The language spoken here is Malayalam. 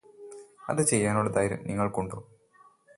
അത് ചെയ്യാനുള്ള ധൈര്യം നിങ്ങൾക്കുണ്ടോ